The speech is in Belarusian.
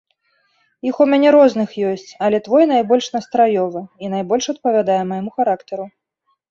Іх у мяне розных ёсць, але твой найбольш настраёвы і найбольш адпавядае майму характару.